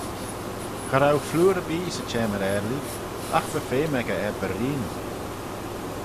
Cha row flooyr erbee 'sy çhamyr-aarlee agh va feme echey er berreen.